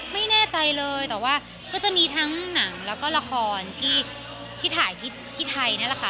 ไม่แน่ใจเลยแต่ว่าก็จะมีทั้งหนังแล้วก็ละครที่ถ่ายที่ไทยนี่แหละค่ะ